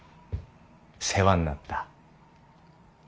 世話になった。